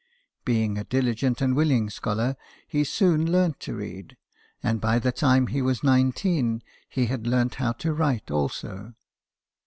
Being a diligent and will ing scholar, he soon learnt to read, and by the time he was nineteen he had learnt how to write also.